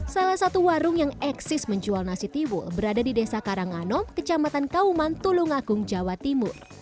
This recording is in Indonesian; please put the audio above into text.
salah satu warung yang eksis menjual nasi tiwul berada di desa karanganong kecamatan kauman tulungagung jawa timur